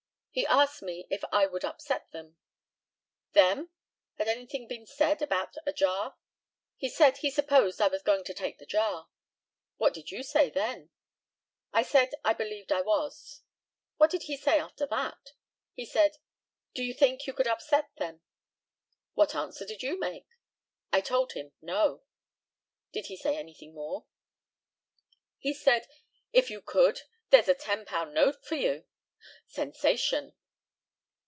He asked me if I would upset them. "Them?" Had anything been said about a jar? He said he supposed I was going to take the jar. What did you say then? I said I believed I was. What did he say after that? He said, "Do you think you could upset them?" What answer did you make? I told him "No." Did he say anything more? He said, "If you could, there's a £10 note for you." (Sensation.)